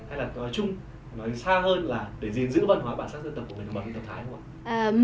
hay là nói chung nói xa hơn là để giữ văn hóa bản sắc dân tộc của người dân tộc thái không ạ